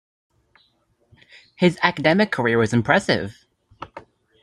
His academic career was impressive.